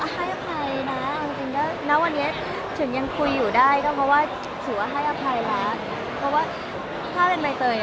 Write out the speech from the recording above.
เห็นที่แบบบางปิ่นไปหายากแล้วยังทุกคนป่อย